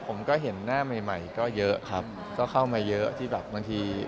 ผมก็เห็นหน้าใหม่ใหม่ก็เยอะครับก็เข้ามาเยอะที่แบบบางที